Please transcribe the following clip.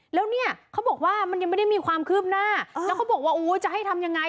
แล้วเนี่ยเขาบอกว่ามันยังไม่ได้มีความคืบหน้าแล้วเขาบอกว่าจะให้ทำยังไง